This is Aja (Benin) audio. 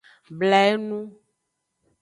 Bla enu.